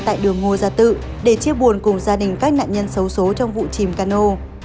tại đường ngô gia tự để chia buồn cùng gia đình các nạn nhân xấu xố trong vụ chìm cano